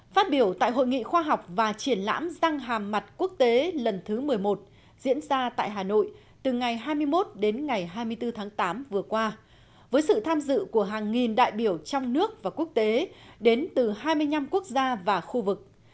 phát biểu tại hội nghị khoa học và triển lãm răng hàm mặt quốc tế lần thứ một mươi một diễn ra tại hà nội từ ngày hai mươi một đến ngày hai mươi bốn tháng tám vừa qua với sự tham dự của hàng nghìn đại biểu trong nước và quốc tế đến từ hai mươi năm quốc gia và khu vực